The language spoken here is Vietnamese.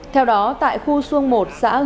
theo đó tại khu xuân i xã hương